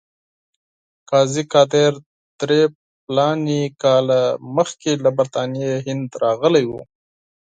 قاضي قادر درې فلاني کاله مخکې له برټانوي هند راغلی وو.